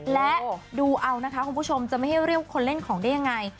และดูเอานะคะคุณผู้ชมจะไม่ให้เรียกว่าคนเล่นของได้ยังไง